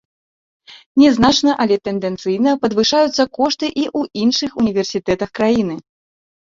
Не значна, але тэндэнцыйна падвышаюцца кошты і ў іншых універсітэтах краіны.